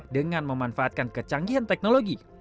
dengan memanfaatkan kecanggihan teknologi